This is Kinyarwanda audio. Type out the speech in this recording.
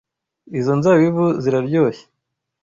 Izo nzabibu ziraryoshye.